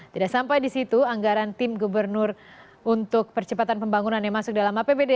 tidak sampai di situ anggaran tim gubernur untuk percepatan pembangunan yang masuk dalam apbd